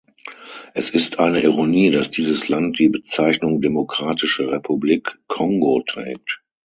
Es ist eine Ironie, dass dieses Land die Bezeichnung Demokratische Republik Kongo trägt.